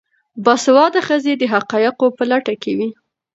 باسواده ښځې د حقایقو په لټه کې وي.